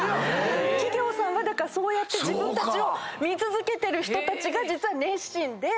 企業さんはそうやって自分たちを見続けてる人たちが実は熱心で。